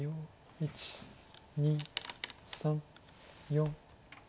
１２３４。